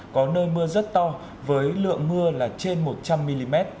có nơi mưa rất to với lượng mưa là trên một trăm linh mm